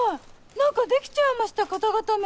何かできちゃいました肩固め。